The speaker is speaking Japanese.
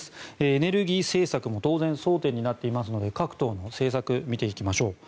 エネルギー政策も当然、争点になっていますので各党の政策、見ていきましょう。